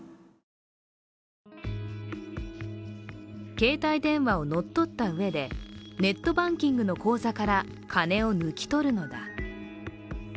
携帯電話を乗っ取ったうえでネットバンキングの口座から金を抜き取るのだ。